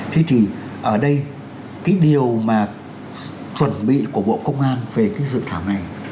thưa chị ở đây cái điều mà chuẩn bị của bộ công an về cái dự thảo này